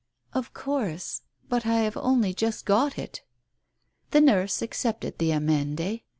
"Of course. But I have only just got it." The nurse accepted the amende.